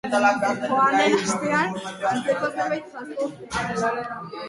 Joan den astean antzeko zerbait jazo zen.